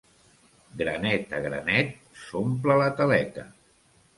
Granet a granet s'omple la taleca.